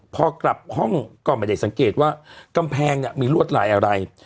พอกลับห้องก็ไม่ได้สังเกตว่ากำแพงเนี่ยมีลวดลายอะไร